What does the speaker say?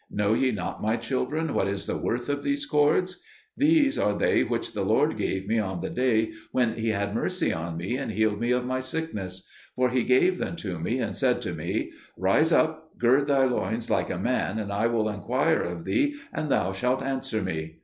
Know ye not, my children, what is the worth of these cords? These are they which the Lord gave me on the day when He had mercy on me and healed me of my sickness; for He gave them to me, and said to me, 'Rise up, gird thy loins like a man, and I will inquire of thee and thou shalt answer Me.'